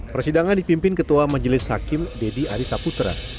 persidangan dipimpin ketua majelis hakim deddy arisaputra